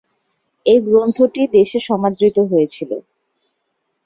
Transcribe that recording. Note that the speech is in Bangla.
এ গ্রন্থটি দেশে সমাদৃত হয়েছিল।